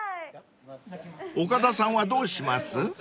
［岡田さんはどうします？］